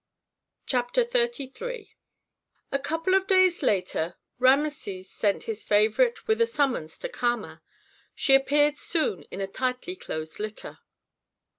CHAPTER XXXIII A couple of days later Rameses sent his favorite with a summons to Kama. She appeared soon in a tightly closed litter.